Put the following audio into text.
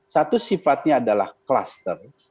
satu sifatnya adalah klaster